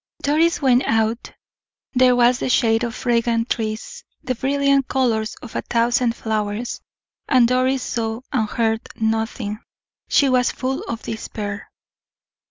Doris went out. There was the shade of fragrant trees, the brilliant colors of a thousand flowers; and Doris saw and heard nothing she was full of despair.